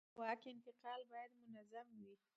د واک انتقال باید منظم وي